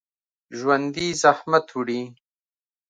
ژوندي زحمت وړي